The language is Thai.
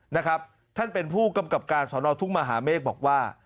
นะครับท่านเป็นผู้กำกับการสอนอทุ่งมหาเมฆบอกว่า